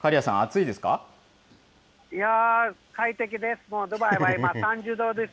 いや、快適です。